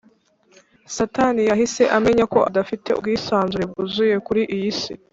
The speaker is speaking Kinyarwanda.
Satani yahise amenya ko adafite ubwisanzure bwuzuye kuri iyi si